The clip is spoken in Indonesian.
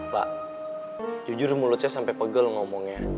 pak jujur mulut saya sampe pegel ngomongnya